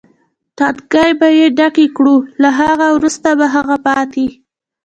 ټانکۍ به یې ډکې کړو، له هغه وروسته به هغه پاتې.